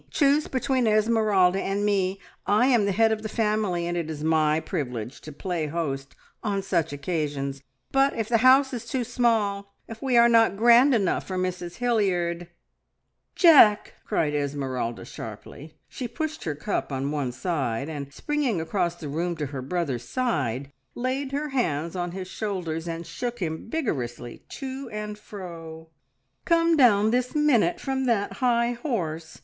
Choose between Esmeralda and me; I am the head of the family, and it is my privilege to play host on such occasions, but if the house is too small if we are not grand enough for Mrs Hilliard " "Jack!" cried Esmeralda sharply. She pushed her cup on one side, and, springing across the room to her brother's side, laid her hands on his shoulders and shook him vigorously to and fro. "Come down this minute from that high horse!